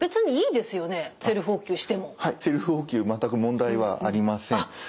はいセルフお灸全く問題はありません。